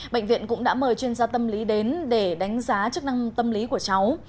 bệnh viện cũng đã mời chuyên gia tâm lý đến để đánh giá chức năng tâm lý của cháu